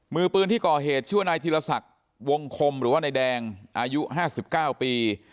มือปืนที่ก่อเหตุชื่อว่านายธีรศักดิ์วงคมหรือว่านายแดงอายุ๕๙ปี